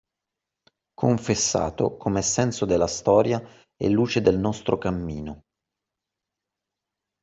Confessato come senso della storia e luce del nostro cammino.